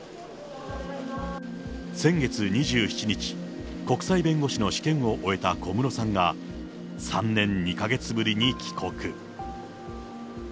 先月２７日、国際弁護士の試験を終えた小室さんが、３年２か月ぶりに帰国。